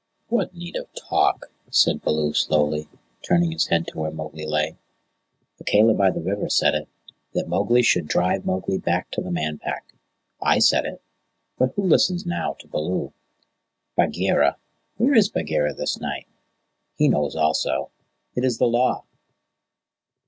"What need of talk?" said Baloo slowly, turning his head to where Mowgli lay. "Akela by the river said it, that Mowgli should drive Mowgli back to the Man Pack. I said it. But who listens now to Baloo? Bagheera where is Bagheera this night? he knows also. It is the Law."